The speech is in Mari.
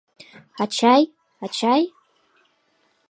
— Ачай, ачай!